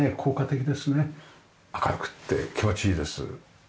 明るくて気持ちいいです。